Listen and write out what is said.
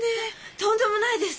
とんでもないです。